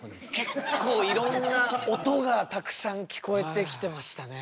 結構いろんな音がたくさん聞こえてきてましたね。